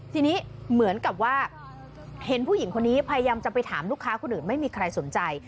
ทีนี้เหมือนกับว่าเห็นผู้หญิงคนนี้พยายามจะไปถามลูกค้าคนอื่นไม่มีใครสนใจ